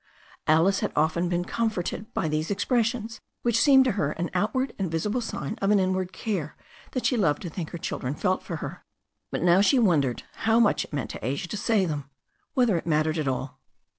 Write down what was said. Alice had often been comforted by these expressions, which seemed to her the outward and visible sign of an inward care that she loved to think her children felt for her, but now she wondered how much it meant to Asia to say them, whether it mattered at all.